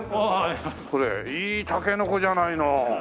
これいいタケノコじゃないの。